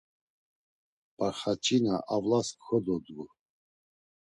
Barxaç̌ina avlas kododgu.